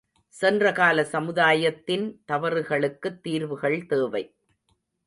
சென்றகால சமுதாயத்தின் தவறுகளுக்குத் தீர்வுகள் தேவை.